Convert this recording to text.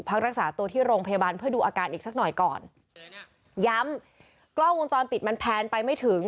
พักรักษาตัวที่โรงพยาบาลเพื่อดูอาการอีกสักหน่อยก่อนย้ำกล้องวงจรปิดมันแพนไปไม่ถึง